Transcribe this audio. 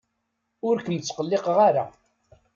Ur kem-ttqelliqeɣ ara.